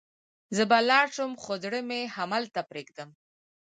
زه به لاړ شم، خو زړه مې همدلته پرېږدم.